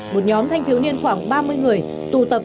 một nhóm thanh thiếu niên khoảng ba mươi người